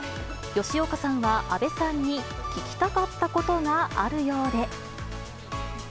吉岡さんは阿部さんに聞きたかったことがあるようで。